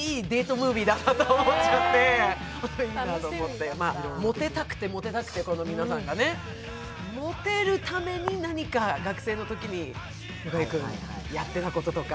ムービーだなと思っちゃってモテたくて、モテたくて、皆さんがね、モテるために何か学生のときにやってたこととか？